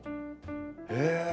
へえ。